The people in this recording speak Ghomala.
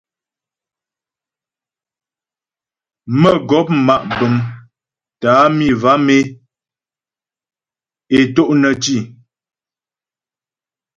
Mə́gɔp ma' bəm tə́ á mi vam e é to' nə́ tî.